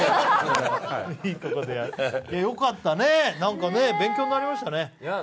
よかったね、勉強になりましたね。